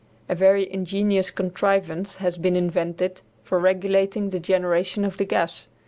A very ingenious contrivance has been invented for regulating the generation of the gas.